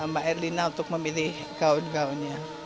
mbak erlina untuk memilih gaun gaunnya